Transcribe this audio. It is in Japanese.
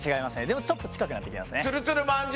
でもちょっと近くなってきましたね。